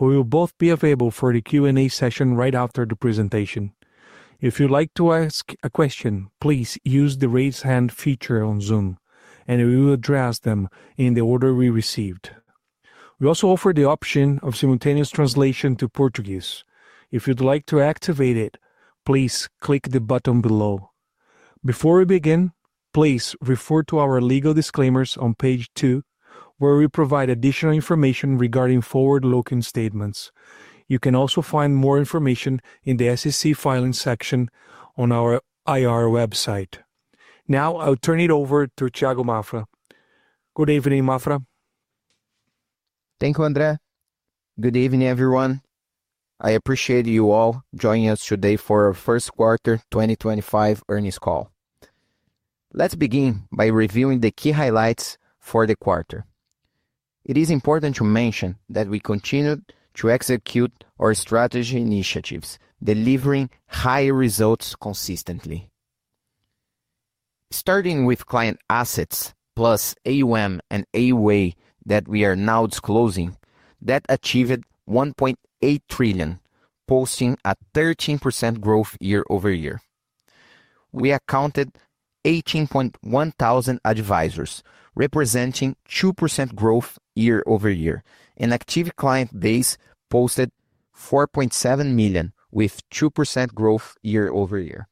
We will both be available for the Q&A session right after the presentation. If you'd like to ask a question, please use the raise hand feature on Zoom, and we will address them in the order we receive. We also offer the option of simultaneous translation to Portuguese. If you'd like to activate it, please click the button below. Before we begin, please refer to our legal disclaimers on page 2, where we provide additional information regarding forward looking statements. You can also find more information in the SEC filing section on our IR website. Now, I'll turn it over to Tiago Maffra. Good evening, Maffra. Thank you, Andre. Good evening, everyone. I appreciate you all joining us today for our first quarter 2025 earnings call. Let's begin by reviewing the key highlights for the quarter. It is important to mention that we continue to execute our strategy initiatives, delivering high results consistently. Starting with client assets, plus AUM and AUA that we are now disclosing, that achieved 1.8 trillion, posting a 13% growth year over year. We accounted 18,100 advisors, representing 2% growth year over year, and active client base posted 4.7 million, with 2% growth year-over-year.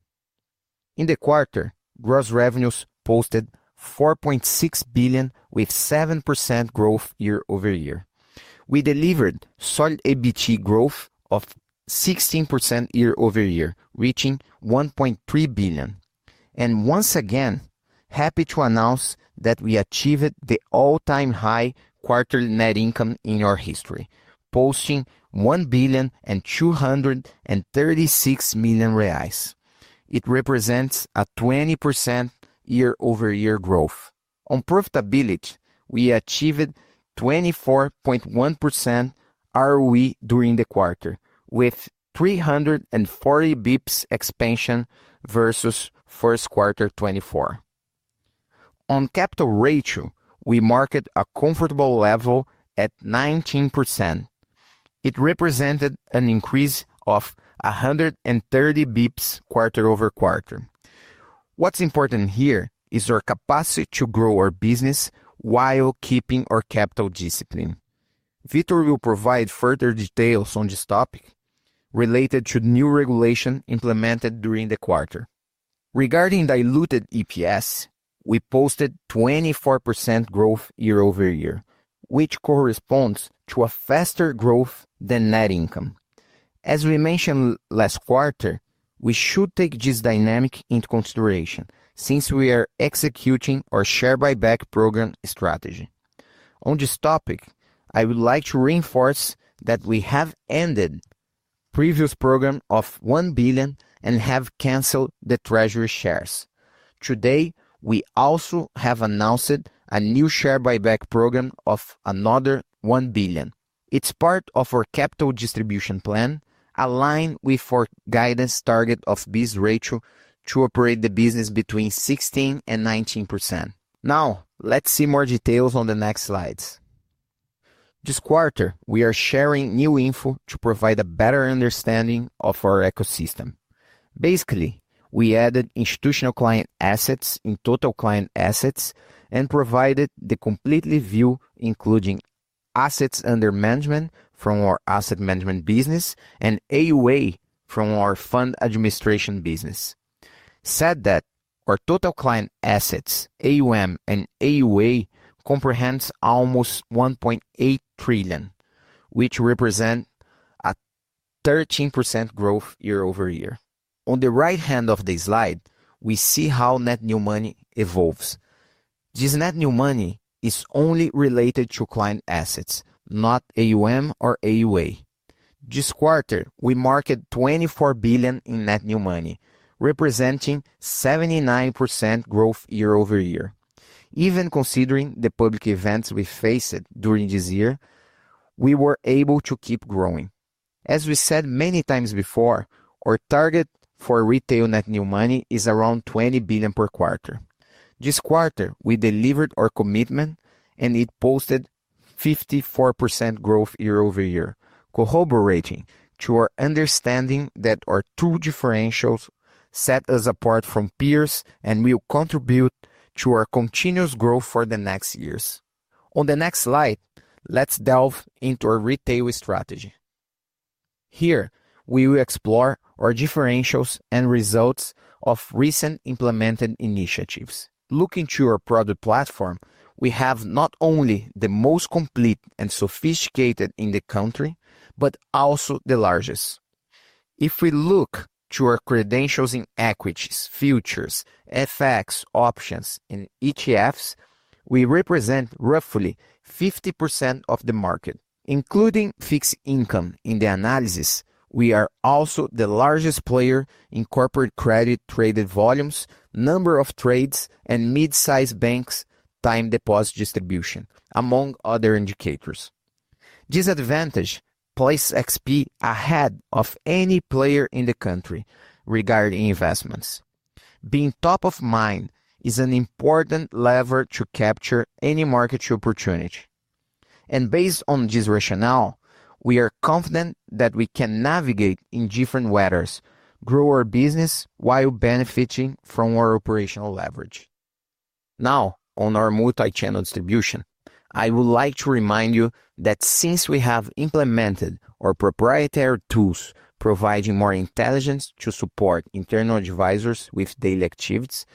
In the quarter, gross revenues posted 4.6 billion, with 7% growth year over year. We delivered solid EBIT growth of 16% year over year, reaching 1.3 billion. I am once again happy to announce that we achieved the all-time high quarterly net income in our history, posting 1 billion and 236 million reais. It represents a 20% year-over-year growth. On profitability, we achieved 24.1% ROE during the quarter, with 340 basis points expansion versus first quarter 2024. On capital ratio, we market a comfortable level at 19%. It represented an increase of 130 basis points quarter-over-quarter. What's important here is our capacity to grow our business while keeping our capital discipline. Vítor will provide further details on this topic related to new regulation implemented during the quarter. Regarding diluted EPS, we posted 24% growth year-over-year, which corresponds to a faster growth than net income. As we mentioned last quarter, we should take this dynamic into consideration since we are executing our share buyback program strategy. On this topic, I would like to reinforce that we have ended the previous program of 1 billion and have canceled the treasury shares. Today, we also have announced a new share buyback program of another 1 billion. It's part of our capital distribution plan, aligned with our guidance target of BIS ratio to operate the business between 16%-19%. Now, let's see more details on the next slides. This quarter, we are sharing new info to provide a better understanding of our ecosystem. Basically, we added institutional client assets in total client assets and provided the complete view, including assets under management from our asset management business and AUA from our fund administration business. Said that our total client assets, AUM and AUA, comprehenses almost BRL 1.8 trillion, which represents a 13% growth year over year. On the right hand of the slide, we see how net new money evolves. This net new money is only related to client assets, not AUM or AUA. This quarter, we market 24 billion in net new money, representing 79% growth year-over-year. Even considering the public events we faced during this year, we were able to keep growing. As we said many times before, our target for retail net new money is around 20 billion per quarter. This quarter, we delivered our commitment, and it posted 54% growth year over year, corroborating to our understanding that our two differentials set us apart from peers and will contribute to our continuous growth for the next years. On the next slide, let's delve into our retail strategy. Here, we will explore our differentials and results of recent implemented initiatives. Looking to our product platform, we have not only the most complete and sophisticated in the country, but also the largest. If we look to our credentials in equities, futures, FX options, and ETFs, we represent roughly 50% of the market. Including fixed income in the analysis, we are also the largest player in corporate credit traded volumes, number of trades, and mid-size banks' time deposit distribution, among other indicators. This advantage places XP ahead of any player in the country regarding investments. Being top of mind is an important lever to capture any market opportunity. Based on this rationale, we are confident that we can navigate in different weathers, grow our business while benefiting from our operational leverage. Now, on our multi-channel distribution, I would like to remind you that since we have implemented our proprietary tools providing more intelligence to support internal advisors with daily activities,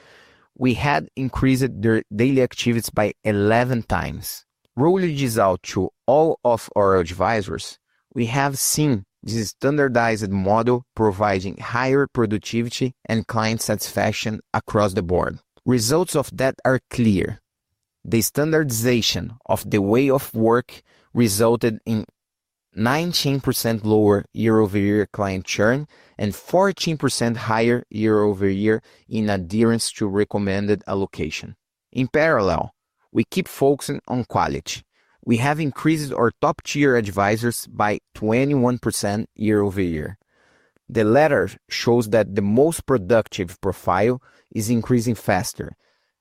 we had increased their daily activities by 11 times. Rolling this out to all of our advisors, we have seen this standardized model providing higher productivity and client satisfaction across the board. Results of that are clear. The standardization of the way of work resulted in 19% lower year-over-year client churn and 14% higher year-over-year in adherence to recommended allocation. In parallel, we keep focusing on quality. We have increased our top-tier advisors by 21% year-over-year. The latter shows that the most productive profile is increasing faster,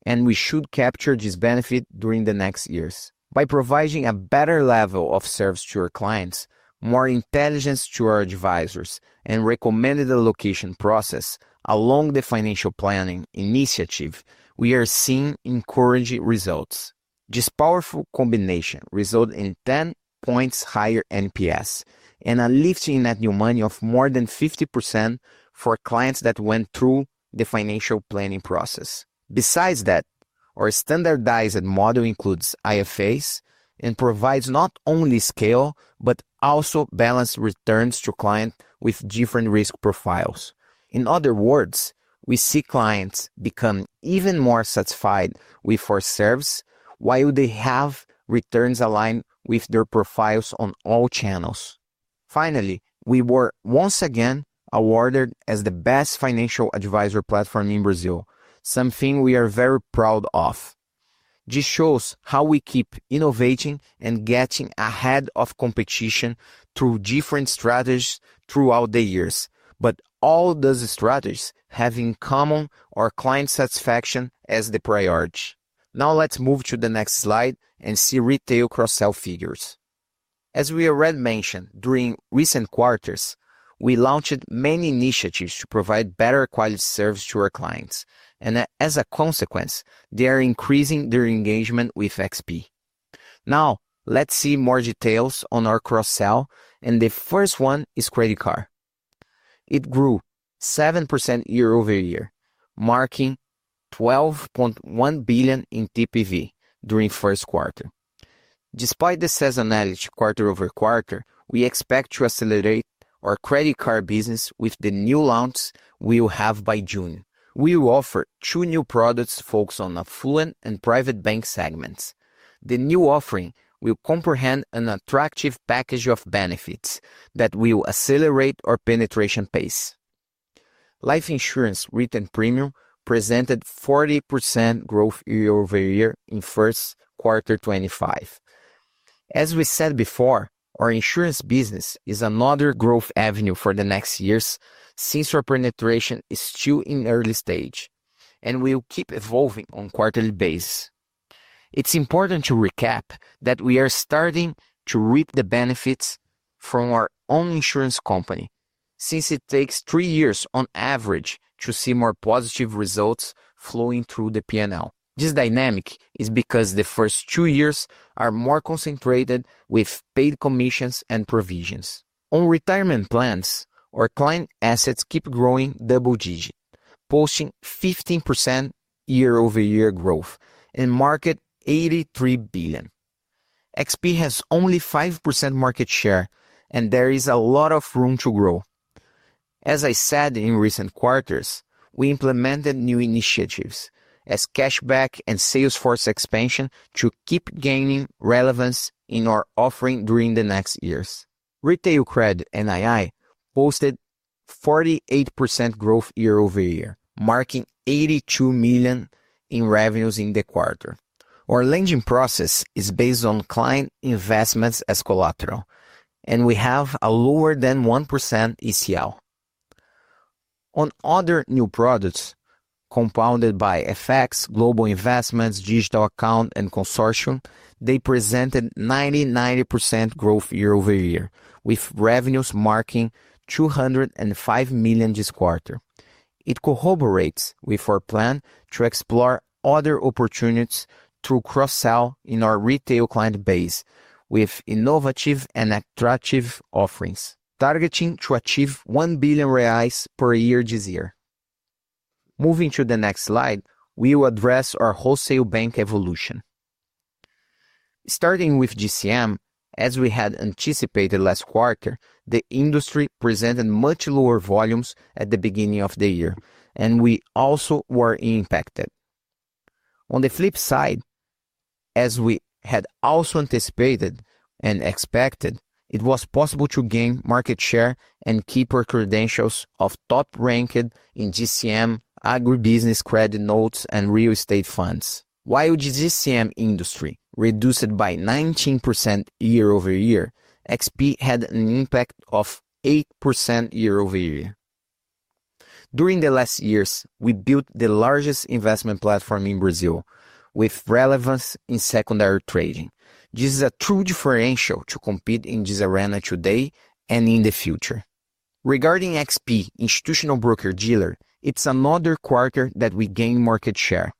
and we should capture this benefit during the next years. By providing a better level of service to our clients, more intelligence to our advisors, and recommended allocation process along the financial planning initiative, we are seeing encouraging results. This powerful combination resulted in 10 points higher NPS and a lift in net new money of more than 50% for clients that went through the financial planning process. Besides that, our standardized model includes IFAs and provides not only scale, but also balanced returns to clients with different risk profiles. In other words, we see clients become even more satisfied with our service while they have returns aligned with their profiles on all channels. Finally, we were once again awarded as the best financial advisor platform in Brazil, something we are very proud of. This shows how we keep innovating and getting ahead of competition through different strategies throughout the years, but all those strategies have in common our client satisfaction as the priority. Now let's move to the next slide and see retail cross-sell figures. As we already mentioned, during recent quarters, we launched many initiatives to provide better quality service to our clients, and as a consequence, they are increasing their engagement with XP. Now, let's see more details on our cross-sell, and the first one is credit card. It grew 7% year-over-year, marking 12.1 billion in TPV during first quarter. Despite the sales analogy quarter-over-quarter, we expect to accelerate our credit card business with the new launch we will have by June. We will offer two new products focused on affluent and private bank segments. The new offering will comprehend an attractive package of benefits that will accelerate our penetration pace. Life insurance written premium presented 40% growth year-over-year in first quarter 2025. As we said before, our insurance business is another growth avenue for the next years since our penetration is still in early stage, and we will keep evolving on quarterly basis. It's important to recap that we are starting to reap the benefits from our own insurance company since it takes three years on average to see more positive results flowing through the P&L. This dynamic is because the first two years are more concentrated with paid commissions and provisions. On retirement plans, our client assets keep growing double digit, posting 15% year-over-year growth and mark 83 billion. XP has only 5% market share, and there is a lot of room to grow. As I said in recent quarters, we implemented new initiatives as cashback and Salesforce expansion to keep gaining relevance in our offering during the next years. Retail credit NII posted 48% growth year-over-year, marking 82 million in revenues in the quarter. Our lending process is based on client investments as collateral, and we have a lower than 1% ECL. On other new products, compounded by FX, global investments, digital account, and consortium, they presented 99% growth year-over-year, with revenues marking 205 million this quarter. It corroborates with our plan to explore other opportunities through cross-sell in our retail client base with innovative and attractive offerings, targeting to achieve 1 billion reais per year this year. Moving to the next slide, we will address our wholesale bank evolution. Starting with GCM, as we had anticipated last quarter, the industry presented much lower volumes at the beginning of the year, and we also were impacted. On the flip side, as we had also anticipated and expected, it was possible to gain market share and keep our credentials of top-ranked in GCM, agribusiness credit notes, and real estate funds. While the GCM industry reduced by 19% year-over-year, XP had an impact of 8% year-over-year. During the last years, we built the largest investment platform in Brazil, with relevance in secondary trading. This is a true differential to compete in this arena today and in the future. Regarding XP, institutional broker-dealer, it is another quarter that we gained market share.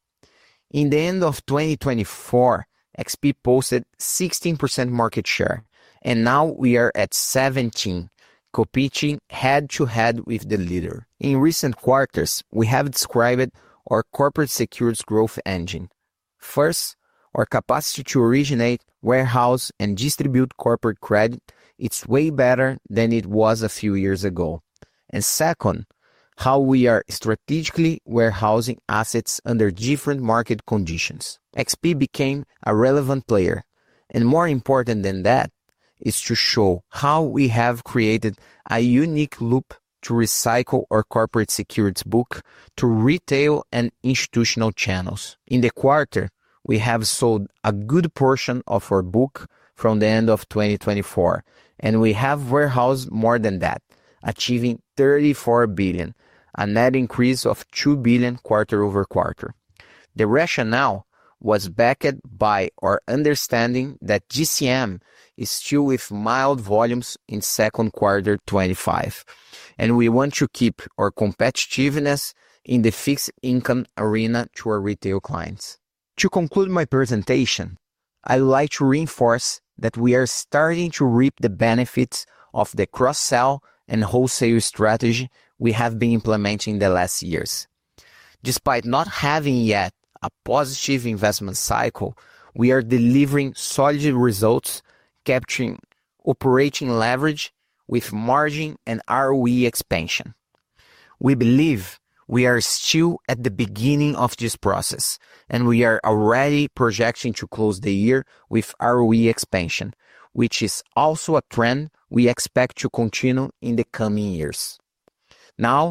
In the end of 2024, XP posted 16% market share, and now we are at 17%, competing head-to-head with the leader. In recent quarters, we have described our corporate securities growth engine. First, our capacity to originate, warehouse, and distribute corporate credit is way better than it was a few years ago. Second, how we are strategically warehousing assets under different market conditions. XP became a relevant player, and more important than that is to show how we have created a unique loop to recycle our corporate securities book to retail and institutional channels. In the quarter, we have sold a good portion of our book from the end of 2024, and we have warehoused more than that, achieving 34 billion, a net increase of 2 billion quarter-over-quarter. The rationale was backed by our understanding that GCM is still with mild volumes in second quarter 2025, and we want to keep our competitiveness in the fixed income arena to our retail clients. To conclude my presentation, I would like to reinforce that we are starting to reap the benefits of the cross-sell and wholesale strategy we have been implementing the last years. Despite not having yet a positive investment cycle, we are delivering solid results, capturing operating leverage with margin and ROE expansion. We believe we are still at the beginning of this process, and we are already projecting to close the year with ROE expansion, which is also a trend we expect to continue in the coming years. Now,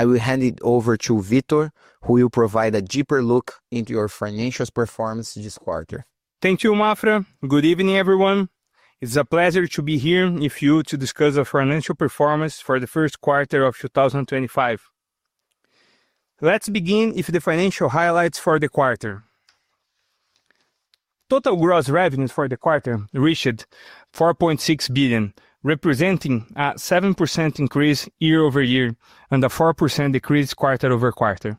I will hand it over to Vítor, who will provide a deeper look into your financial performance this quarter. Thank you, Mafra. Good evening, everyone. It is a pleasure to be here with you to discuss the financial performance for the first quarter of 2025. Let's begin with the financial highlights for the quarter. Total gross revenues for the quarter reached 4.6 billion, representing a 7% increase year-over-year and a 4% decrease quarter-over-quarter.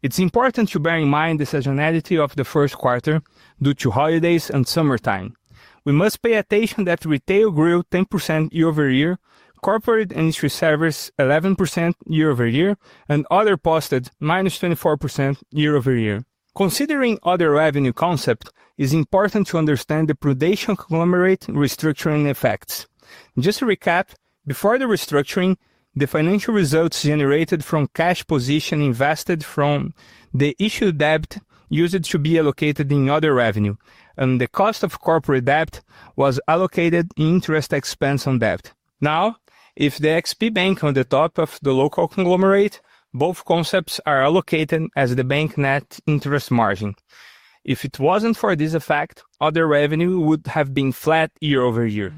It is important to bear in mind the seasonality of the first quarter due to holidays and summertime. We must pay attention that retail grew 10% year-over-year, corporate and industry service 11% year-over-year, and other posted minus 24% year-over-year. Considering other revenue concepts, it is important to understand the predation conglomerate restructuring effects. Just to recap, before the restructuring, the financial results generated from cash position invested from the issued debt used to be allocated in other revenue, and the cost of corporate debt was allocated in interest expense on debt. Now, with the XP Bank on the top of the local conglomerate, both concepts are allocated as the bank net interest margin. If it was not for this effect, other revenue would have been flat year-over-year.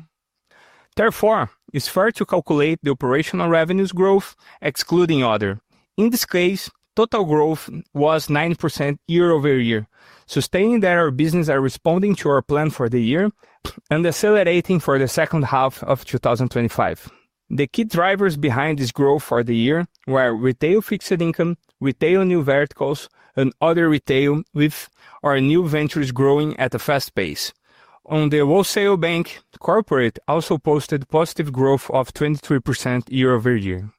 Therefore, it is fair to calculate the operational revenues growth excluding other. In this case, total growth was 9% year-over-year, sustaining that our business is responding to our plan for the year and accelerating for the second half of 2025. The key drivers behind this growth for the year were retail fixed income, retail new verticals, and other retail with our new ventures growing at a fast pace. On the wholesale bank, the corporate also posted positive growth of 23% year-over-year.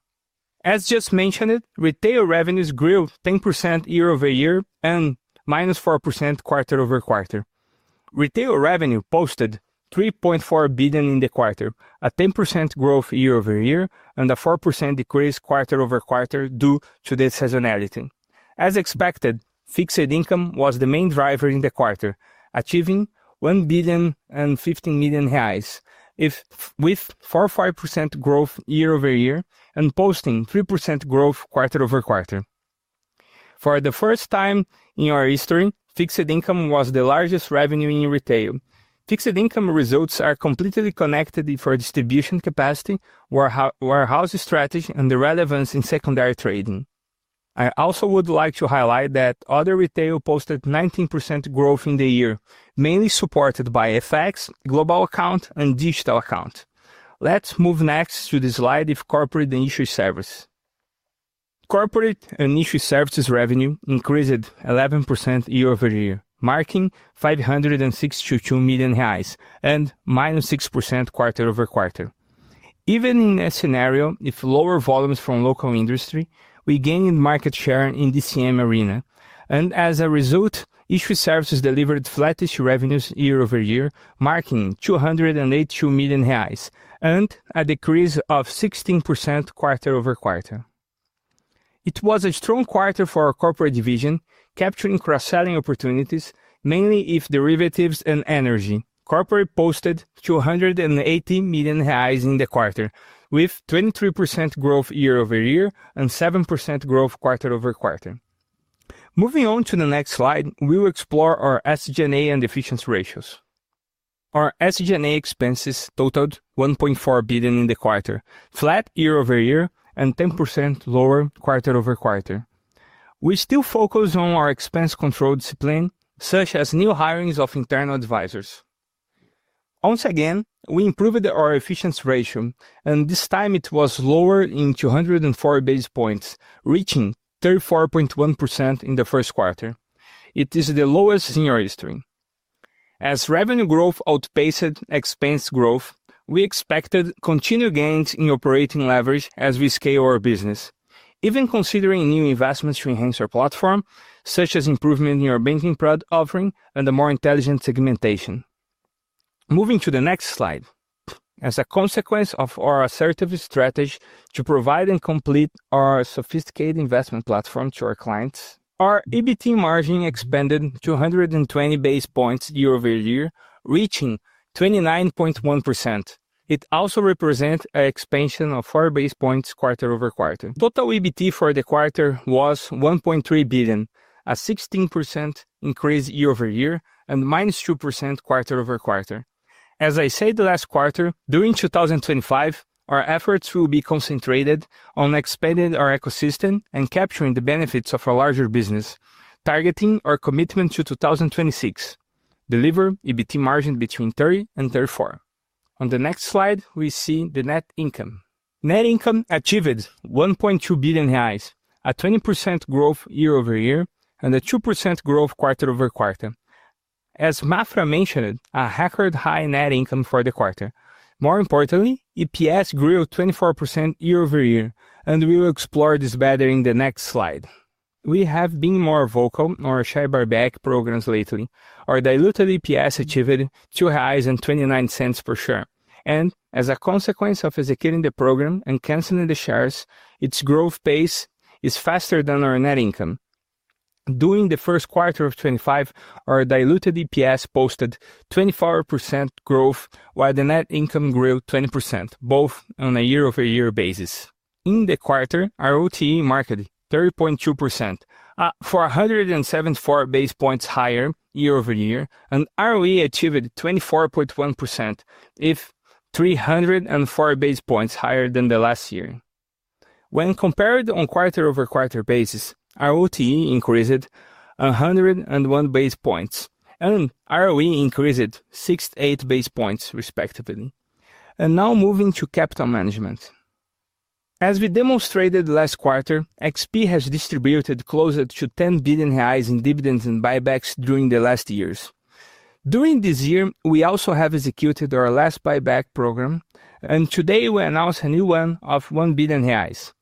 As just mentioned, retail revenues grew 10% year-over-year and minus 4% quarter-over-quarter. Retail revenue posted 3.4 billion in the quarter, a 10% growth year-over-year and a 4% decrease quarter-over- quarter due to the seasonality. As expected, fixed income was the main driver in the quarter, achieving 1.015 billion with 4.5% growth year-over-year and posting 3% growth quarter-over-quarter. For the first time in our history, fixed income was the largest revenue in retail. Fixed income results are completely connected for distribution capacity, warehouse strategy, and the relevance in secondary trading. I also would like to highlight that other retail posted 19% growth in the year, mainly supported by FX, global account, and digital account. Let's move next to the slide of corporate and industry service. Corporate and industry services revenue increased 11% year-over-year, marking 562 million reais and -6% quarter-over-quarter. Even in that scenario, with lower volumes from local industry, we gained market share in the DCM arena. As a result, industry services delivered flattest revenues year-over-year, marking 282 million reais and a decrease of 16% quarter-over-quarter. It was a strong quarter for our corporate division, capturing cross-selling opportunities, mainly in derivatives and energy. Corporate posted 280 million reais in the quarter, with 23% growth year-over-year and 7% growth quarter- over-quarter. Moving on to the next slide, we will explore our SG&A and efficiency ratios. Our SG&A expenses totaled 1.4 billion in the quarter, flat year-over-year and 10% lower quarter-over-quarter. We still focus on our expense control discipline, such as new hirings of internal advisors. Once again, we improved our efficiency ratio, and this time it was lower in 204 basis points, reaching 34.1% in the first quarter. It is the lowest in our history. As revenue growth outpaced expense growth, we expected continued gains in operating leverage as we scale our business, even considering new investments to enhance our platform, such as improvement in our banking product offering and a more intelligent segmentation. Moving to the next slide. As a consequence of our assertive strategy to provide and complete our sophisticated investment platform to our clients, our EBT margin expanded 220 basis points year-over-year, reaching 29.1%. It also represents an expansion of 4 basis points quarter-over-quarter. Total EBT for the quarter was 1.3 billion, a 16% increase year-over-year and -2% quarter-over-quarter. As I said the last quarter, during 2025, our efforts will be concentrated on expanding our ecosystem and capturing the benefits of our larger business, targeting our commitment to 2026, delivering EBT margin between 30%-34%. On the next slide, we see the net income. Net income achieved 1.2 billion reais, a 20% growth year-over-year, and a 2% growth quarter-over-quarter. As Maffra mentioned, a record high net income for the quarter. More importantly, EPS grew 24% year-over-year, and we will explore this better in the next slide. We have been more vocal on our share buyback programs lately. Our diluted EPS achieved 2.29 reais per share. As a consequence of executing the program and canceling the shares, its growth pace is faster than our net income. During the first quarter of 2025, our diluted EPS posted 24% growth, while the net income grew 20%, both on a year-over-year basis. In the quarter, our OTE marked 30.2%, up 474 basis points higher year-over-year, and ROE achieved 24.1%, up 304 basis points higher than last year. When compared on a quarter-over-quarter basis, our OTE increased 101 basis points and ROE increased 68 basis points, respectively. Now moving to capital management. As we demonstrated last quarter, XP has distributed closer to 10 billion reais in dividends and buybacks during the last years. During this year, we also have executed our last buyback program, and today we announced a new one of 1 billion reais.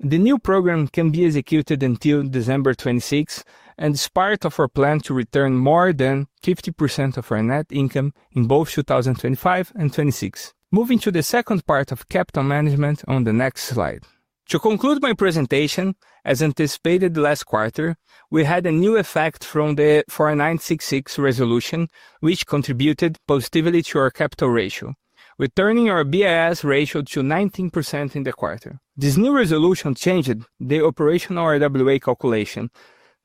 The new program can be executed until December 26, and it's part of our plan to return more than 50% of our net income in both 2025 and 2026. Moving to the second part of capital management on the next slide. To conclude my presentation, as anticipated last quarter, we had a new effect from the 4966 resolution, which contributed positively to our capital ratio, returning our BIS ratio to 19% in the quarter. This new resolution changed the operational RWA calculation.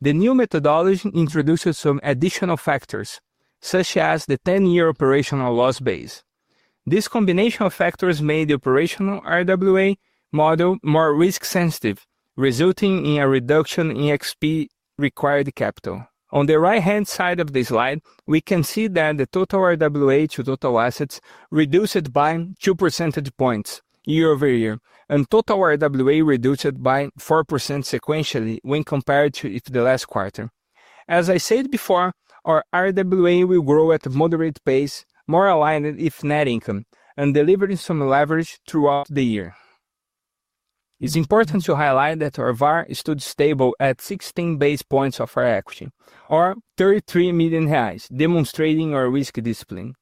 The new methodology introduces some additional factors, such as the 10-year operational loss base. This combination of factors made the operational RWA model more risk-sensitive, resulting in a reduction in XP required capital. On the right-hand side of the slide, we can see that the total RWA to total assets reduced by two percentage points year-over-year, and total RWA reduced by 4% sequentially when compared to the last quarter. As I said before, our RWA will grow at a moderate pace, more aligned with net income, and delivering some leverage throughout the year. It's important to highlight that our VAR stood stable at 16 basis points of our equity, or 33 million reais, demonstrating our risk discipline.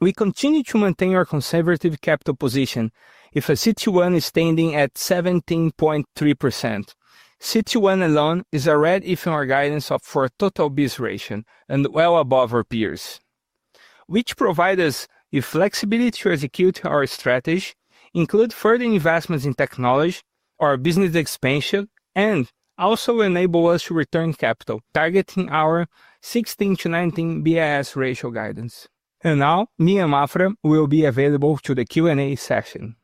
We continue to maintain our conservative capital position, with a CTON standing at 17.3%. CTON alone is already within our guidance of our total BIS ratio and well above our peers, which provides us with flexibility to execute our strategy, include further investments in technology, our business expansion, and also enables us to return capital, targeting our 16%-19% BIS ratio guidance. Now, me and Mafra will be available to the Q&A session.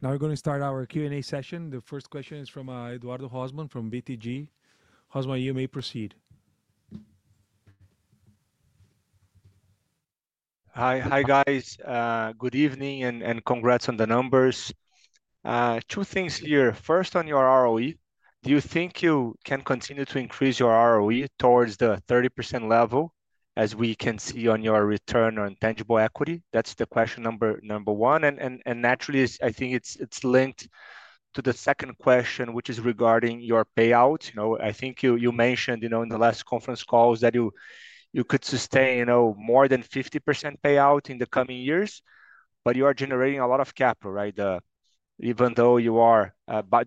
Now we're going to start our Q&A session. The first question is from Eduardo Hozman from BTG. Hozman, you may proceed. Hi, hi guys. Good evening and congrats on the numbers. Two things here. First, on your ROE, do you think you can continue to increase your ROE towards the 30% level, as we can see on your return on tangible equity? That's the question number one. And naturally, I think it's linked to the second question, which is regarding your payout. You know, I think you mentioned, you know, in the last conference calls that you could sustain, you know, more than 50% payout in the coming years, but you are generating a lot of capital, right? Even though you are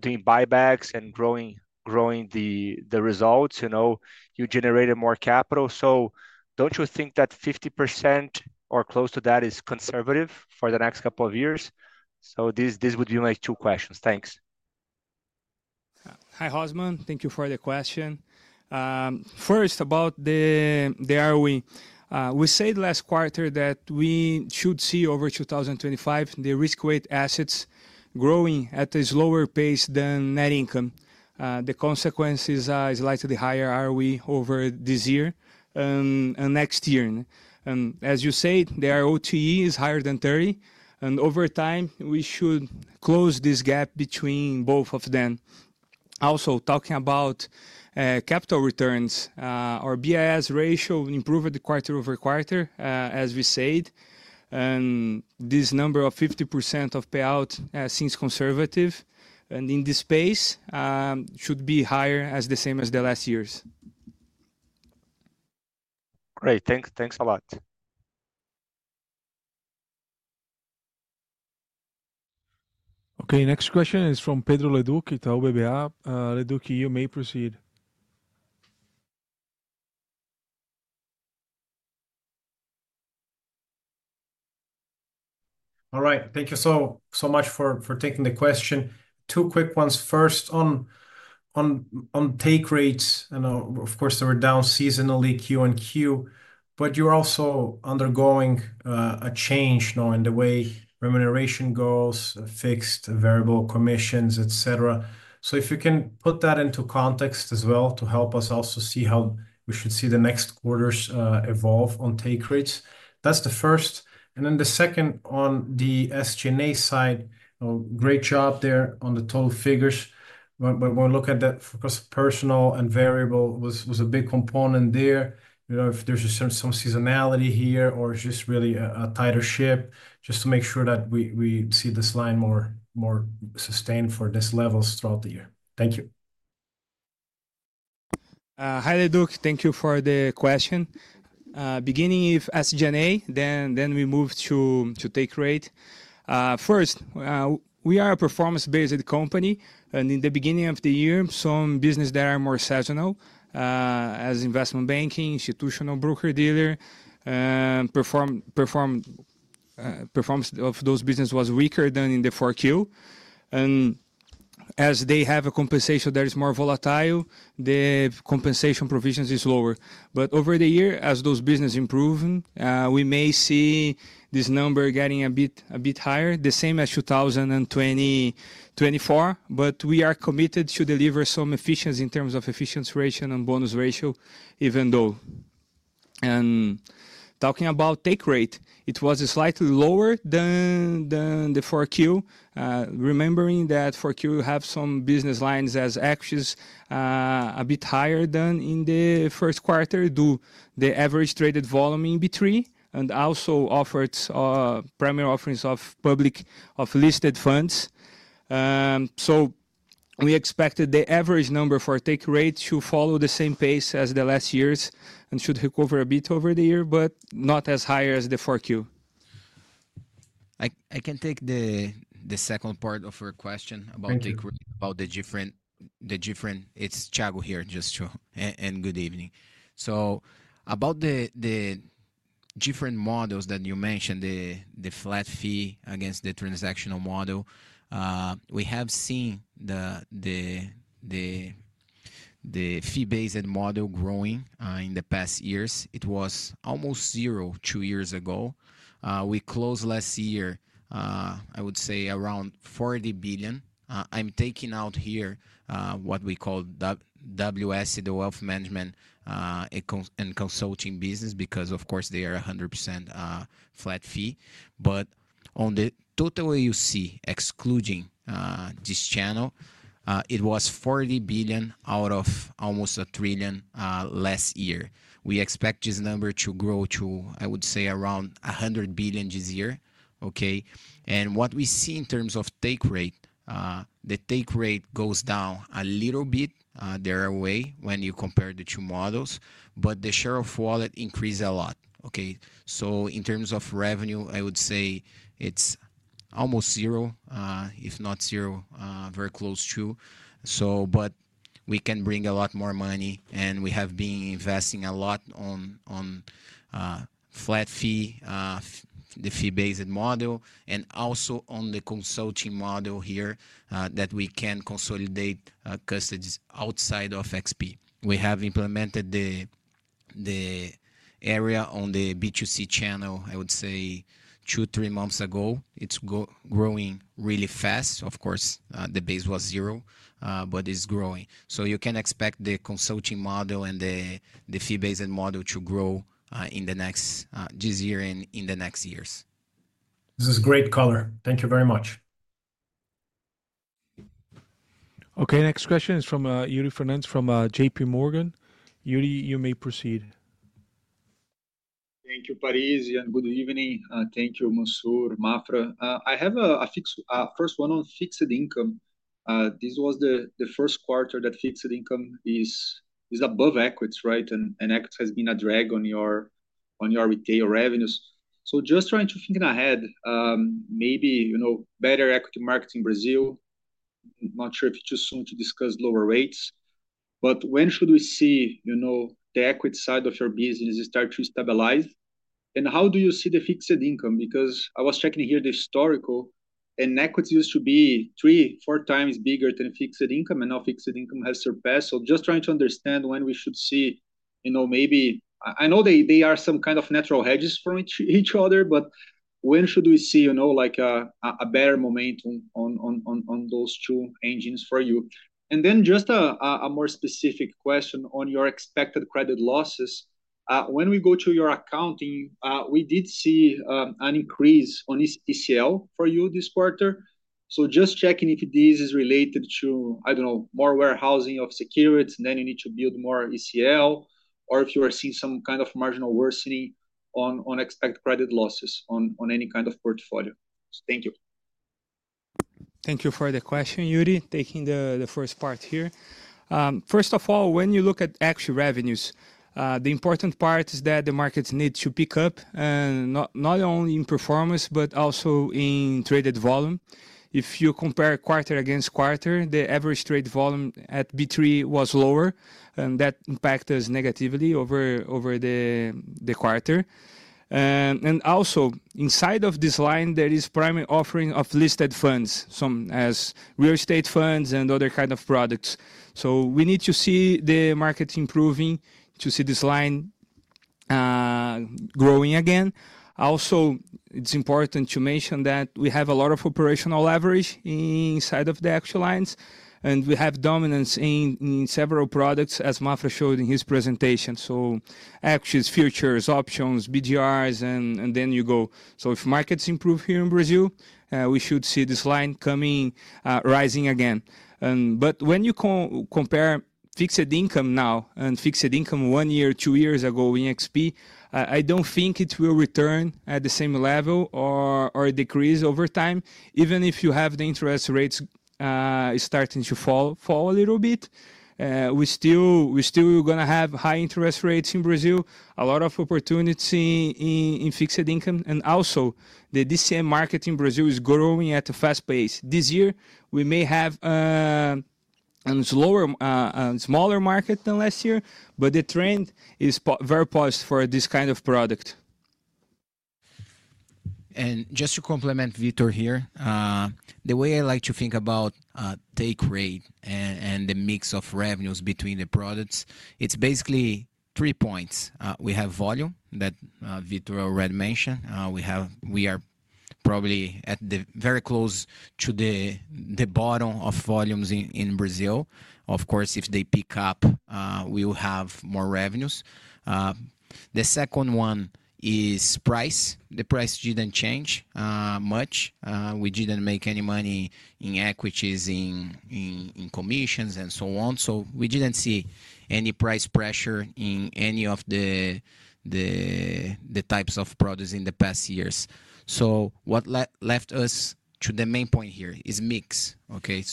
doing buybacks and growing the results, you know, you generated more capital. Don't you think that 50% or close to that is conservative for the next couple of years? This would be my two questions. Thanks. Hi, Hozman. Thank you for the question. First, about the ROE. We said last quarter that we should see over 2025 the risk-weighted assets growing at a slower pace than net income. The consequence is a slightly higher ROE over this year and next year. As you say, their OTE is higher than 30. Over time, we should close this gap between both of them. Also, talking about capital returns, our BIS ratio improved quarter-over-quarter, as we said. This number of 50% of payout seems conservative. In this space, it should be higher, the same as the last years. Great. Thanks. Thanks a lot. Next question is from Pedro Leduc, Itaú BBA. Leduc, you may proceed. All right. Thank you so much for taking the question. Two quick ones. First, on take rates, and of course, they were down seasonally, Q on Q. But you're also undergoing a change now in the way remuneration goes, fixed variable commissions, etc. If you can put that into context as well to help us also see how we should see the next quarters evolve on take rates. That's the first. And then the second on the SG&A side, great job there on the total figures. When we look at that, of course, personal and variable was a big component there. You know, if there's some seasonality here or it's just really a tighter ship, just to make sure that we see this line more sustained for these levels throughout the year. Thank you. Hi Leduc. Thank you for the question. Beginning with SG&A, then we move to take rate. First, we are a performance-based company. In the beginning of the year, some businesses that are more seasonal, as investment banking, institutional broker-dealer, performance of those businesses was weaker than in the 4Q. As they have a compensation that is more volatile, the compensation provision is lower. Over the year, as those businesses improve, we may see this number getting a bit higher, the same as 2024. We are committed to deliver some efficiency in terms of efficiency ratio and bonus ratio, even though. Talking about take rate, it was slightly lower than the 4Q. Remembering that 4Q, you have some business lines as actions a bit higher than in the first quarter due to the average traded volume in B3 and also offered primary offerings of public of listed funds. We expected the average number for take rate to follow the same pace as the last years and should recover a bit over the year, but not as high as the Q4. I can take the second part of your question about take rate, about the different, the different, it's Thiago here, just to, and good evening. About the different models that you mentioned, the flat fee against the transactional model, we have seen the fee-based model growing in the past years. It was almost zero two years ago. We closed last year, I would say, around 40 billion. I'm taking out here what we call WSC, the Wealth Management and Consulting business, because, of course, they are 100% flat fee. On the total you see, excluding this channel, it was 40 billion out of almost a trillion last year. We expect this number to grow to, I would say, around 100 billion this year. Okay. What we see in terms of take rate, the take rate goes down a little bit there away when you compare the two models, but the share of wallet increased a lot. Okay. In terms of revenue, I would say it is almost zero, if not zero, very close to. So, but we can bring a lot more money, and we have been investing a lot on flat fee, the fee-based model, and also on the consulting model here that we can consolidate custodies outside of XP. We have implemented the area on the B2C channel, I would say, two-three months ago. It is growing really fast. Of course, the base was zero, but it is growing. You can expect the consulting model and the fee-based model to grow in this year and in the next years. This is great color. Thank you very much. Okay. Next question is from Yuri Fernandes from J.P. Morgan. Yuri, you may proceed. Thank you, Parizi, and good evening. Thank you, Mansur, Mafra. I have a first one on fixed income. This was the first quarter that fixed income is above equity, right? Equity has been a drag on your retail revenues. Just trying to think ahead, maybe better equity markets in Brazil. Not sure if it is too soon to discuss lower rates. When should we see the equity side of your business start to stabilize? How do you see the fixed income? Because I was checking here the historical, and equity used to be three, four times bigger than fixed income, and now fixed income has surpassed. Just trying to understand when we should see, you know, maybe I know they are some kind of natural hedges for each other, but when should we see a better momentum on those two engines for you? Then just a more specific question on your expected credit losses. When we go to your accounting, we did see an increase on ECL for you this quarter. Just checking if this is related to, I don't know, more warehousing of securities, and then you need to build more ECL, or if you are seeing some kind of marginal worsening on expected credit losses on any kind of portfolio. Thank you. Thank you for the question, Yuri, taking the first part here. First of all, when you look at actually revenues, the important part is that the markets need to pick up, and not only in performance, but also in traded volume. If you compare quarter against quarter, the average trade volume at B3 was lower, and that impacted us negatively over the quarter. Also, inside of this line, there is primary offering of listed funds, some as real estate funds and other kinds of products. We need to see the market improving to see this line growing again. Also, it is important to mention that we have a lot of operational leverage inside of the actual lines, and we have dominance in several products, as Maffra showed in his presentation. Actually futures, options, BGRs, and then you go. If markets improve here in Brazil, we should see this line coming, rising again. When you compare fixed income now and fixed income one year, two years ago in XP, I do not think it will return at the same level or decrease over time. Even if you have the interest rates starting to fall a little bit, we still are going to have high interest rates in Brazil, a lot of opportunity in fixed income. Also, the DCM market in Brazil is growing at a fast pace. This year, we may have a smaller market than last year, but the trend is very positive for this kind of product. Just to complement Vítor here, the way I like to think about take rate and the mix of revenues between the products, it is basically three points. We have volume that Vítor already mentioned. We are probably very close to the bottom of volumes in Brazil. Of course, if they pick up, we will have more revenues. The second one is price. The price did not change much. We did not make any money in equities, in commissions, and so on. We did not see any price pressure in any of the types of products in the past years. What left us to the main point here is mix. Okay.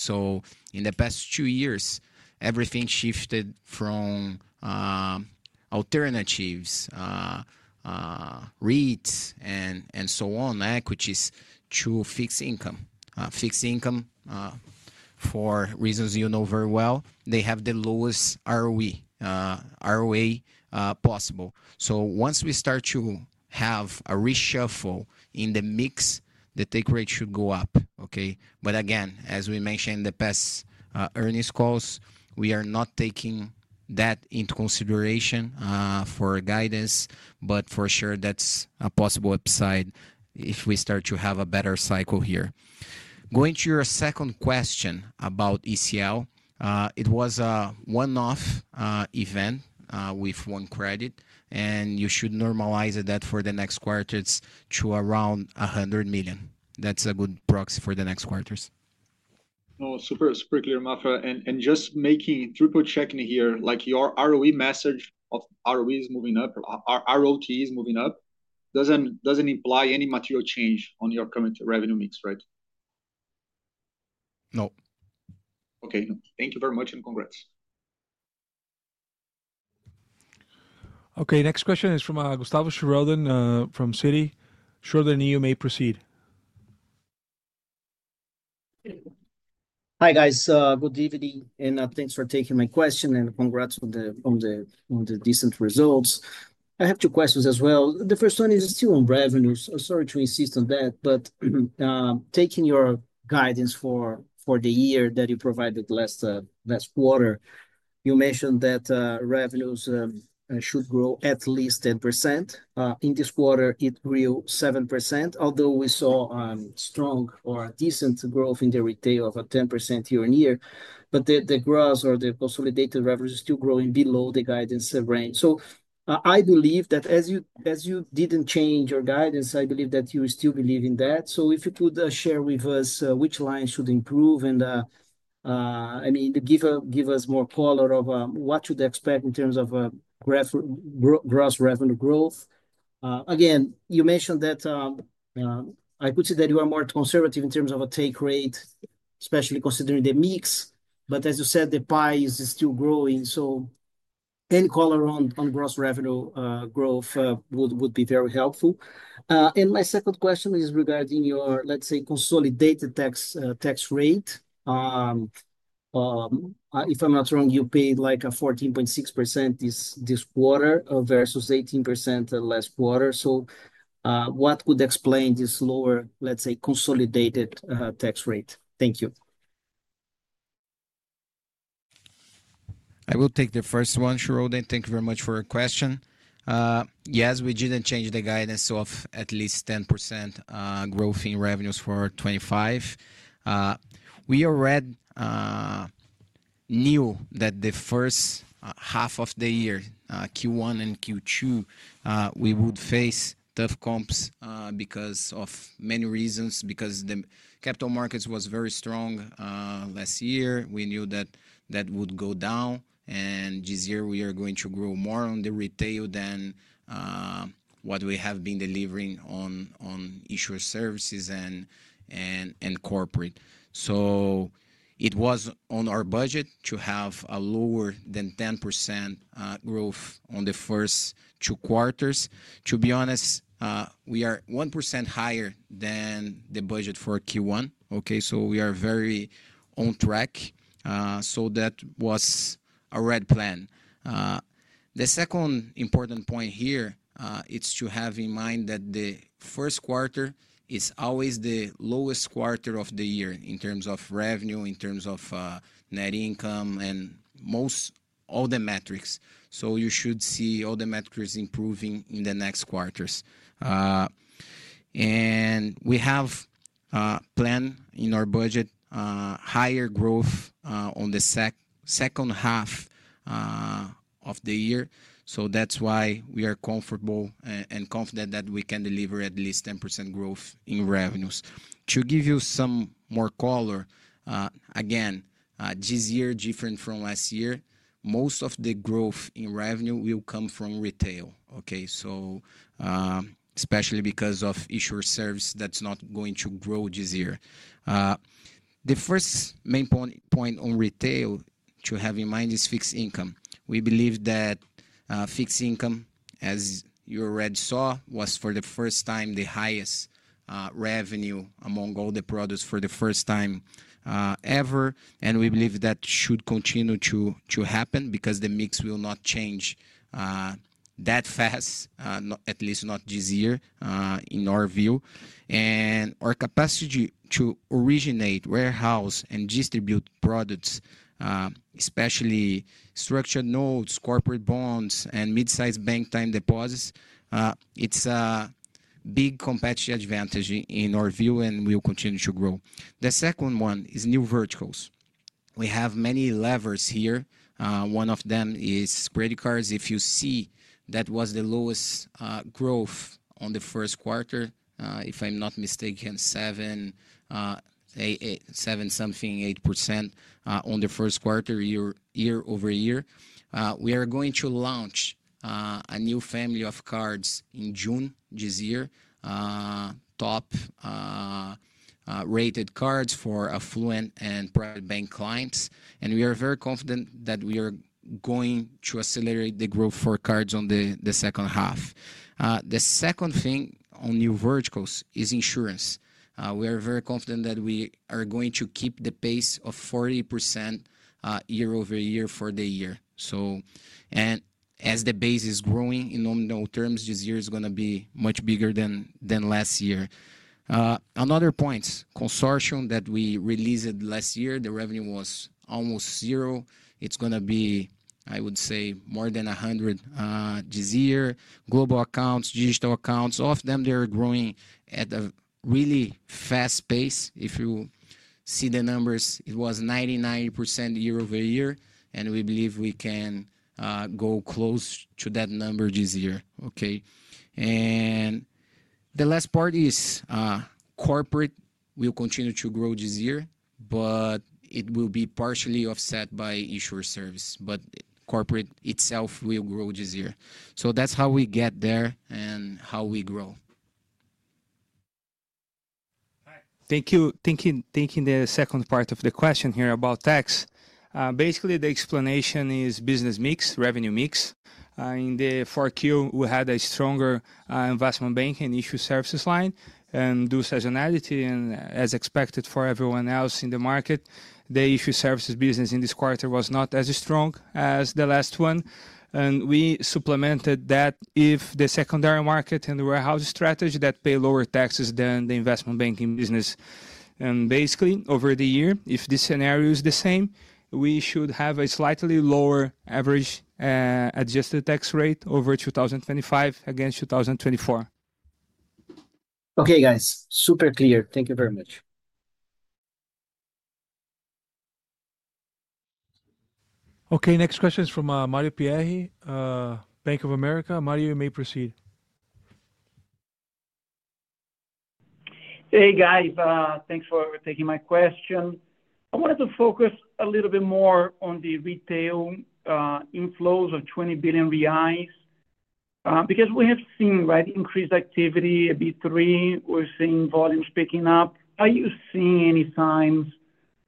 In the past two years, everything shifted from alternatives, REITs, and so on, equities to fixed income. Fixed income, for reasons you know very well, they have the lowest ROE possible. Once we start to have a reshuffle in the mix, the take rate should go up. Okay. Again, as we mentioned in the past earnings calls, we are not taking that into consideration for guidance, but for sure, that is a possible upside if we start to have a better cycle here. Going to your second question about ECL, it was a one-off event with one credit, and you should normalize that for the next quarters to around 100 million. That's a good proxy for the next quarters. No, super, super clear, Maffra. And just making triple checking here, like your ROE message of ROE is moving up, ROT is moving up, does not imply any material change on your current revenue mix, right? No. Okay. Thank you very much and congrats. Okay. Next question is from Gustavo Schroden from Citi. Shortly, you may proceed. Hi guys, good evening, and thanks for taking my question and congrats on the decent results. I have two questions as well. The first one is still on revenues. Sorry to insist on that, but taking your guidance for the year that you provided last quarter, you mentioned that revenues should grow at least 10%. In this quarter, it grew 7%, although we saw strong or decent growth in the retail of a 10% year on year. The growth or the consolidated revenues are still growing below the guidance range. I believe that as you did not change your guidance, I believe that you still believe in that. If you could share with us which lines should improve and, I mean, give us more color of what you would expect in terms of gross revenue growth. Again, you mentioned that I could see that you are more conservative in terms of a take rate, especially considering the mix. As you said, the pie is still growing. Any color on gross revenue growth would be very helpful. My second question is regarding your, let's say, consolidated tax rate. If I'm not wrong, you paid like 14.6% this quarter versus 18% last quarter. What could explain this lower, let's say, consolidated tax rate? Thank you. I will take the first one, Schroden. Thank you very much for your question. Yes, we didn't change the guidance of at least 10% growth in revenues for 2025. We already knew that the first half of the year, Q1 and Q2, we would face tough comps because of many reasons, because the capital markets were very strong last year. We knew that would go down. This year, we are going to grow more on the retail than what we have been delivering on insurance services and corporate. It was on our budget to have lower than 10% growth on the first two quarters. To be honest, we are 1% higher than the budget for Q1. Okay. We are very on track. That was a red plan. The second important point here is to have in mind that the first quarter is always the lowest quarter of the year in terms of revenue, in terms of net income, and most all the metrics. You should see all the metrics improving in the next quarters. We have a plan in our budget, higher growth on the second half of the year. That is why we are comfortable and confident that we can deliver at least 10% growth in revenues. To give you some more color, again, this year is different from last year. Most of the growth in revenue will come from retail. Especially because of insurance service, that is not going to grow this year. The first main point on retail to have in mind is fixed income. We believe that fixed income, as you already saw, was for the first time the highest revenue among all the products for the first time ever. We believe that should continue to happen because the mix will not change that fast, at least not this year in our view. Our capacity to originate, warehouse, and distribute products, especially structured notes, corporate bonds, and mid-size bank time deposits, is a big competitive advantage in our view and will continue to grow. The second one is new verticals. We have many levers here. One of them is credit cards. If you see, that was the lowest growth in the first quarter, if I'm not mistaken, seven, seven something, 8% in the first quarter year over year. We are going to launch a new family of cards in June this year, top-rated cards for affluent and private bank clients. We are very confident that we are going to accelerate the growth for cards in the second half. The second thing on new verticals is insurance. We are very confident that we are going to keep the pace of 40% year over year for the year. As the base is growing in nominal terms, this year is going to be much bigger than last year. Another point, consortium that we released last year, the revenue was almost zero. It is going to be, I would say, more than 100 this year. Global accounts, digital accounts, all of them, they are growing at a really fast pace. If you see the numbers, it was 99% year-over-year. We believe we can go close to that number this year. Okay. The last part is corporate will continue to grow this year, but it will be partially offset by insurance service. Corporate itself will grow this year. That is how we get there and how we grow. Thank you. Thinking the second part of the question here about tax, basically the explanation is business mix, revenue mix. In the fourth quarter, we had a stronger investment bank and issue services line. Due to seasonality and as expected for everyone else in the market, the issue services business in this quarter was not as strong as the last one. We supplemented that with the secondary market and the warehouse strategy that pay lower taxes than the investment banking business. Basically over the year, if this scenario is the same, we should have a slightly lower average adjusted tax rate over 2025 against 2024. Okay, guys. Super clear. Thank you very much. Okay. Next question is from Mario Pierry, Bank of America. Mario, you may proceed. Hey, guys. Thanks for taking my question. I wanted to focus a little bit more on the retail inflows of 20 billion reais because we have seen increased activity at B3. We're seeing volumes picking up. Are you seeing any signs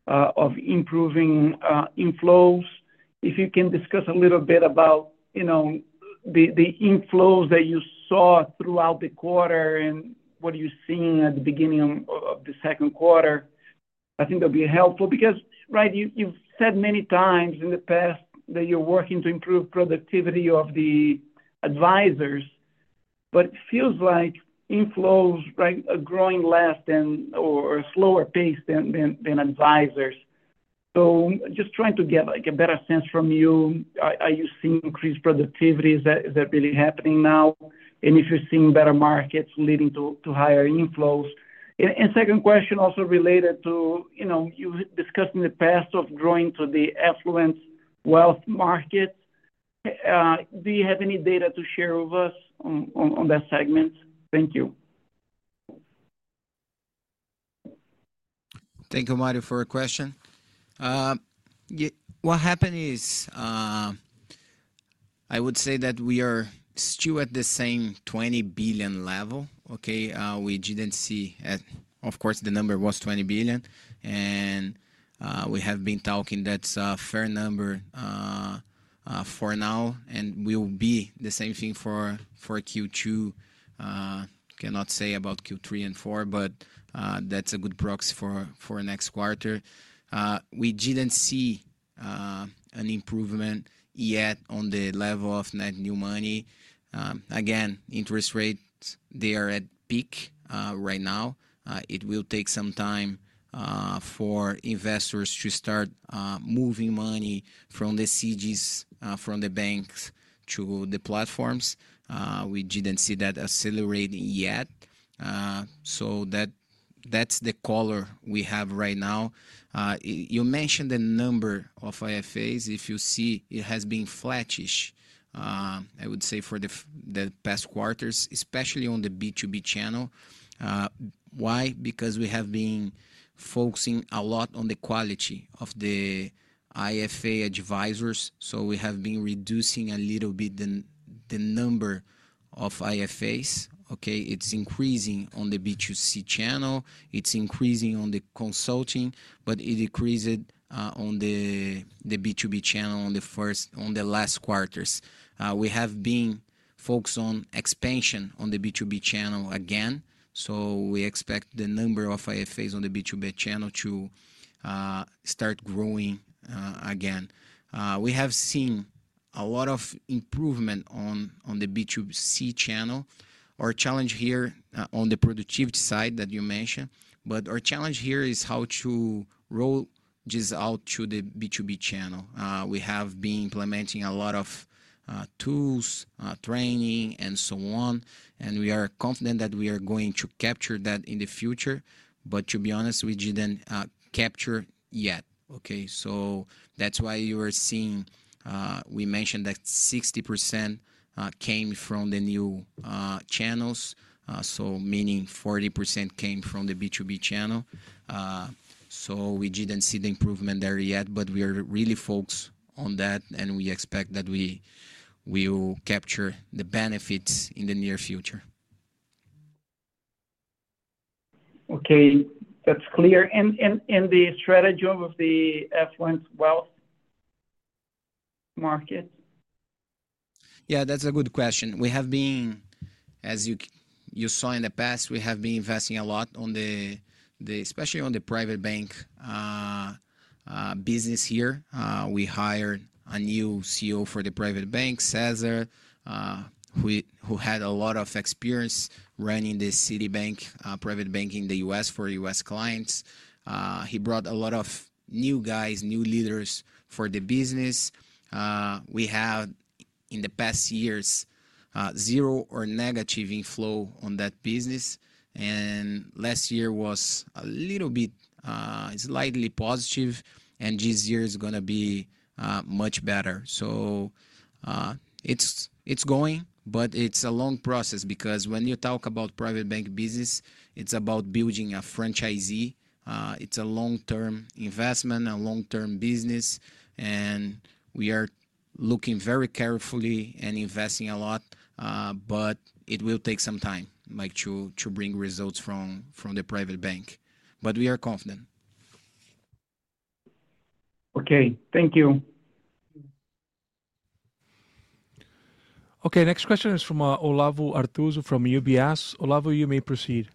of improving inflows? If you can discuss a little bit about the inflows that you saw throughout the quarter and what you're seeing at the beginning of the second quarter, I think that would be helpful because, right, you've said many times in the past that you're working to improve productivity of the advisors, but it feels like inflows are growing less or slower pace than advisors. Just trying to get a better sense from you, are you seeing increased productivity? Is that really happening now? If you're seeing better markets leading to higher inflows? Second question, also related to you discussed in the past of growing to the affluent wealth markets. Do you have any data to share with us on that segment? Thank you. Thank you, Mario, for your question. What happened is I would say that we are still at the same 20 billion level. Okay. We did not see, of course, the number was 20 billion. We have been talking that's a fair number for now. It will be the same thing for Q2. Cannot say about Q3 and Q4, but that's a good proxy for next quarter. We did not see an improvement yet on the level of net new money. Again, interest rates, they are at peak right now. It will take some time for investors to start moving money from the CGs, from the banks to the platforms. We didn't see that accelerating yet. That's the color we have right now. You mentioned the number of IFAs. If you see, it has been flattish, I would say, for the past quarters, especially on the B2B channel. Why? Because we have been focusing a lot on the quality of the IFA advisors. We have been reducing a little bit the number of IFAs. Okay. It's increasing on the B2C channel. It's increasing on the consulting, but it decreased on the B2B channel in the last quarters. We have been focused on expansion on the B2B channel again. We expect the number of IFAs on the B2B channel to start growing again. We have seen a lot of improvement on the B2C channel. Our challenge here on the productivity side that you mentioned, but our challenge here is how to roll this out to the B2B channel. We have been implementing a lot of tools, training, and so on. We are confident that we are going to capture that in the future. To be honest, we did not capture yet. Okay. That is why you are seeing we mentioned that 60% came from the new channels, meaning 40% came from the B2B channel. We did not see the improvement there yet, but we are really focused on that. We expect that we will capture the benefits in the near future. Okay. That is clear. The strategy of the affluent wealth market? Yeah, that is a good question. We have been, as you saw in the past, we have been investing a lot, especially on the private bank business here. We hired a new CEO for the private bank, Cesar, who had a lot of experience running the Citibank private bank in the U.S. for U.S. clients. He brought a lot of new guys, new leaders for the business. We have, in the past years, zero or negative inflow on that business. Last year was a little bit slightly positive. This year is going to be much better. It is going, but it is a long process because when you talk about private bank business, it is about building a franchise. It is a long-term investment, a long-term business. We are looking very carefully and investing a lot, but it will take some time to bring results from the private bank. We are confident. Okay. Thank you. Okay. Next question is from Olavo Arthuzo from UBS. Olavo, you may proceed.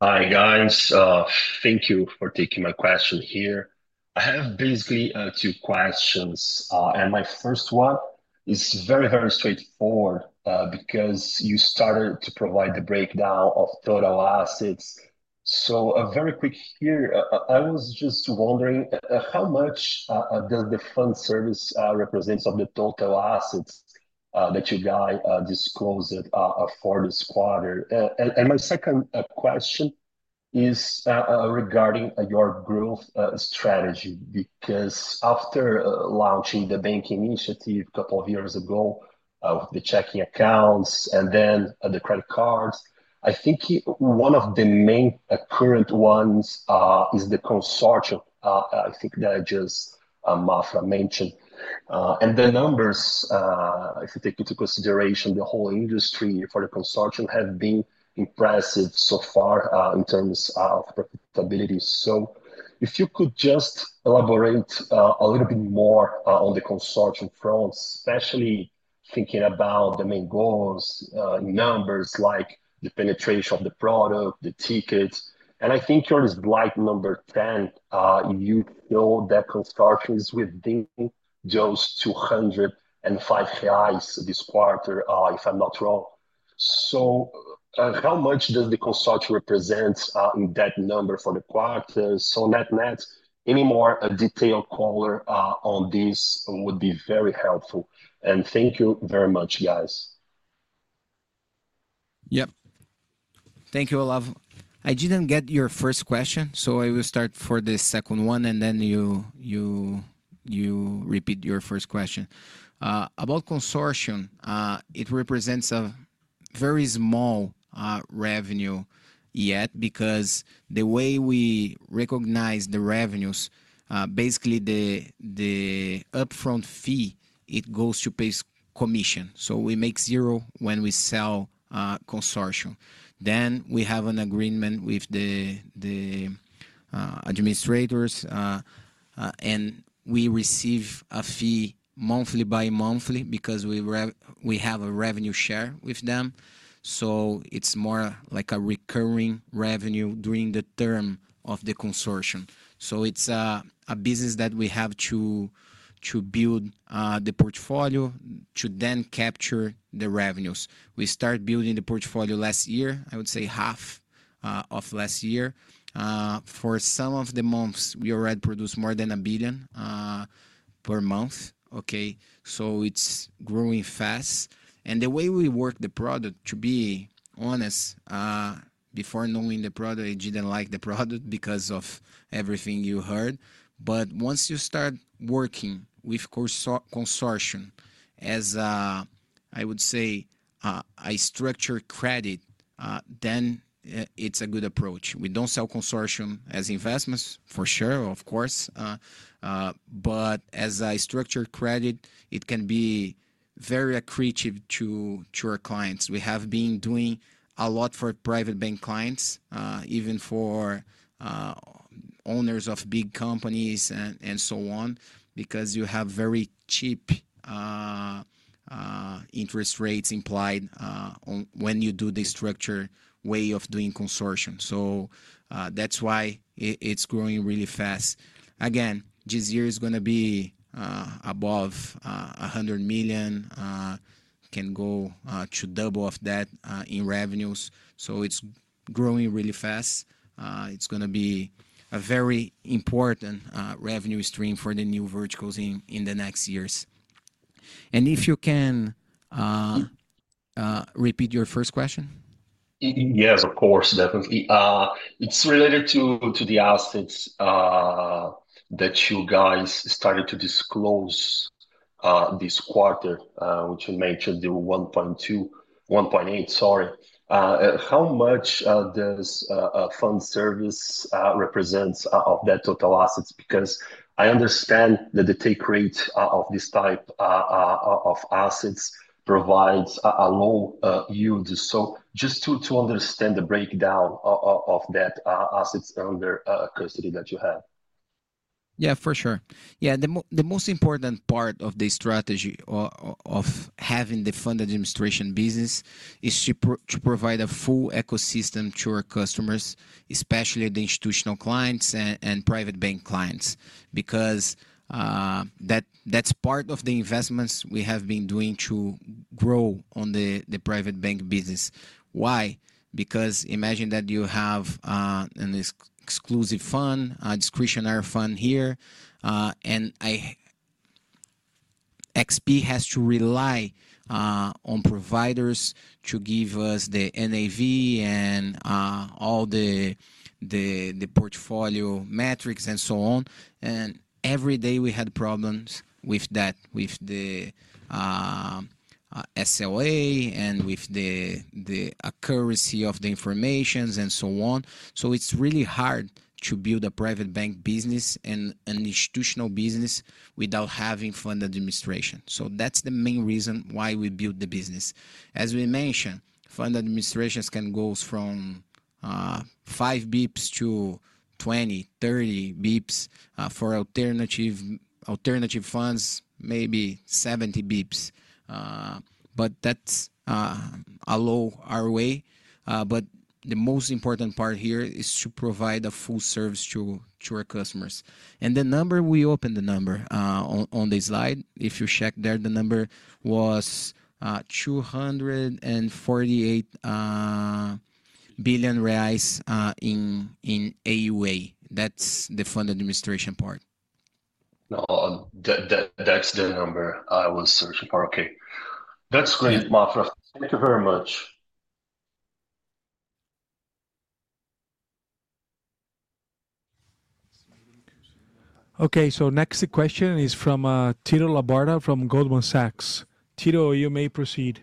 Hi, guys. Thank you for taking my question here. I have basically two questions. My first one is very, very straightforward because you started to provide the breakdown of total assets. Very quick here, I was just wondering how much does the fund service represent of the total assets that you guys disclosed for this quarter? My second question is regarding your growth strategy because after launching the bank initiative a couple of years ago with the checking accounts and then the credit cards, I think one of the main current ones is the consortium. I think that just Maffra mentioned. The numbers, if you take into consideration the whole industry for the consortium, have been impressive so far in terms of profitability. If you could just elaborate a little bit more on the consortium front, especially thinking about the main goals, numbers like the penetration of the product, the tickets. I think your slide number 10, you know that consortium is within those 205 reais this quarter, if I'm not wrong. How much does the consortium represent in that number for the quarter? Net-net, any more detailed color on this would be very helpful. Thank you very much, guys. Yep. Thank you, Olavo. I did not get your first question, so I will start with the second one, and then you repeat your first question. About consortium, it represents a very small revenue yet because the way we recognize the revenues, basically the upfront fee, it goes to pay commission. We make zero when we sell consortium. Then we have an agreement with the administrators, and we receive a fee monthly or bimonthly because we have a revenue share with them. It is more like a recurring revenue during the term of the consortium. It is a business that we have to build the portfolio to then capture the revenues. We started building the portfolio last year, I would say half of last year. For some of the months, we already produced more than 1 billion per month. Okay. It is growing fast. The way we work the product, to be honest, before knowing the product, I did not like the product because of everything you heard. Once you start working with consortium as, I would say, a structured credit, then it is a good approach. We do not sell consortium as investments, for sure, of course. As a structured credit, it can be very accretive to our clients. We have been doing a lot for private bank clients, even for owners of big companies and so on, because you have very cheap interest rates implied when you do the structured way of doing consortium. That is why it is growing really fast. Again, this year is going to be above 100 million. It can go to double of that in revenues. It is growing really fast. It is going to be a very important revenue stream for the new verticals in the next years. If you can repeat your first question. Yes, of course. Definitely. It is related to the assets that you guys started to disclose this quarter, which you mentioned the 1.2, 1.8, sorry. How much does fund service represent of that total assets? Because I understand that the take rate of this type of assets provides a low yield. Just to understand the breakdown of that assets under custody that you have. Yeah, for sure. The most important part of the strategy of having the fund administration business is to provide a full ecosystem to our customers, especially the institutional clients and private bank clients, because that's part of the investments we have been doing to grow on the private bank business. Why? Because imagine that you have an exclusive fund, a discretionary fund here, and XP has to rely on providers to give us the NAV and all the portfolio metrics and so on. Every day we had problems with that, with the SLA and with the accuracy of the information and so on. It's really hard to build a private bank business and an institutional business without having fund administration. That's the main reason why we build the business. As we mentioned, fund administrations can go from 5 basis points to 20, 30 basis points for alternative funds, maybe 70 basis points. That is a low ROI. The most important part here is to provide a full service to our customers. The number, we opened the number on the slide, if you check there, the number was 248 billion reais in AUA. That is the fund administration part. That is the number I was searching for. Okay. That is great, Mafra. Thank you very much. Okay. Next question is from Tito Labarta from Goldman Sachs. Tito, you may proceed.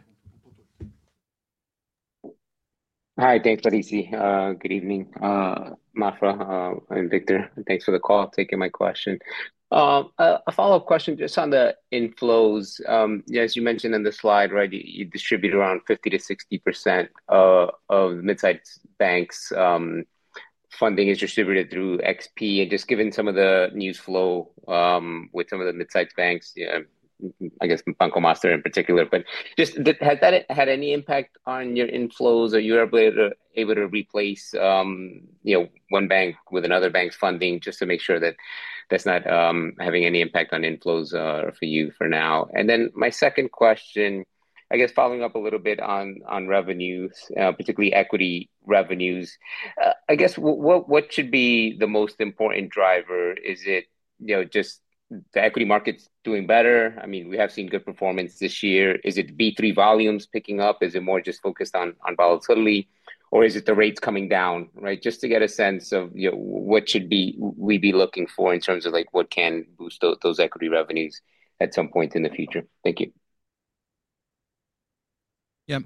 Hi. Thanks, Parize. Good evening, Mafra and Vítor. Thanks for the call. Thank you for my question. A follow-up question just on the inflows. As you mentioned in the slide, right, you distribute around %50-60% of mid-sized banks' funding is distributed through XP. Just given some of the news flow with some of the mid-sized banks, I guess, Banco Master in particular, has that had any impact on your inflows or were you able to replace one bank with another bank's funding just to make sure that that's not having any impact on inflows for you for now? My second question, following up a little bit on revenues, particularly equity revenues, what should be the most important driver? Is it just the equity markets doing better? I mean, we have seen good performance this year. Is it B3 volumes picking up? Is it more just focused on volatility? Or is it the rates coming down, right? Just to get a sense of what should we be looking for in terms of what can boost those equity revenues at some point in the future? Thank you. Yep.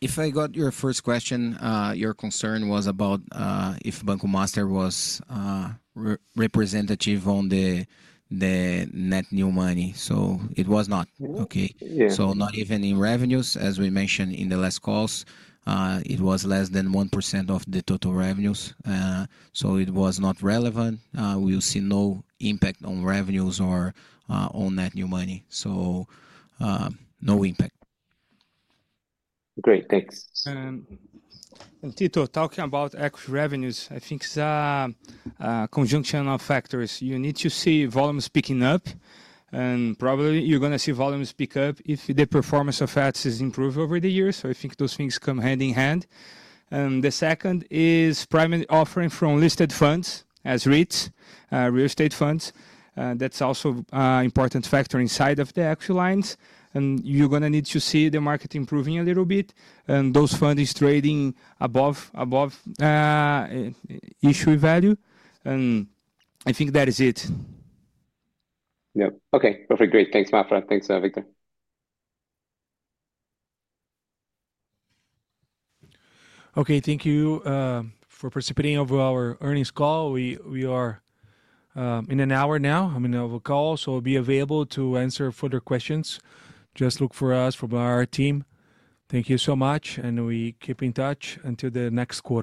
If I got your first question, your concern was about if Banco Master was representative on the net new money. It was not. Okay. Not even in revenues, as we mentioned in the last calls, it was less than 1% of the total revenues. It was not relevant. We will see no impact on revenues or on net new money. No impact. Great. Thanks. And Tito, talking about equity revenues, I think it is a conjunction of factors. You need to see volumes picking up. Probably you are going to see volumes pick up if the performance of assets improves over the years. I think those things come hand in hand. The second is primary offering from listed funds as REITs, real estate funds. That is also an important factor inside of the equity lines. You're going to need to see the market improving a little bit and those funds trading above issue value. I think that is it. Yep. Okay. Perfect. Great. Thanks, Mafra. Thanks, Vítor. Okay. Thank you for participating in our earnings call. We are in an hour now. I'm in a call, so I'll be available to answer further questions. Just look for us from our team. Thank you so much. We keep in touch until the next quarter.